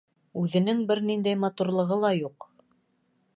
Үҙенең бер ниндәй матурлығы ла юҡ.